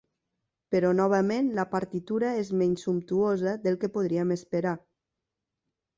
Però novament la partitura és menys sumptuosa del que podríem esperar.